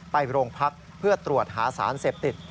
ไปโรงพักเพื่อตรวจหาสารเสพติด